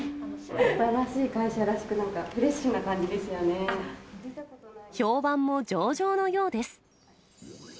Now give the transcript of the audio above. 新しい会社らしく、フレッシ評判も上々のようです。